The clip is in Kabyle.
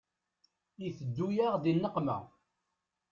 Iteddu-yaɣ di nneqma.